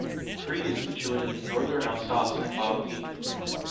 Gries is situated in northern Alsace in Bas-Rhin.